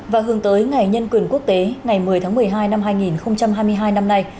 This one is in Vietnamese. và hướng tới ngày nhân quyền quốc tế ngày một mươi tháng một mươi hai năm hai nghìn hai mươi hai năm nay